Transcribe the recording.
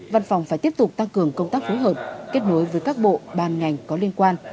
văn phòng phải tiếp tục tăng cường công tác phối hợp kết nối với các bộ ban ngành có liên quan